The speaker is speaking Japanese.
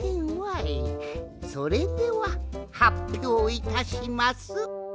それでははっぴょういたします。